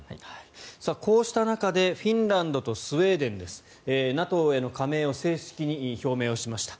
こうした中でフィンランドとスウェーデンですＮＡＴＯへの加盟を正式に表明しました。